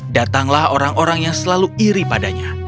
datanglah orang orang yang selalu iri padanya